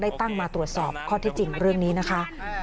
ตั้งมาตรวจสอบข้อที่จริงเรื่องนี้นะคะ